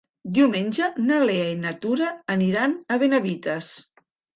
Diumenge na Lea i na Tura aniran a Benavites.